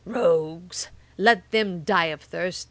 Rogues! let them die of thirst.